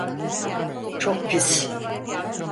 Çok pis.